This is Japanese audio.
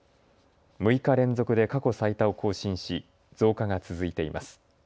６日連続で過去最多を更新し増加が続いています。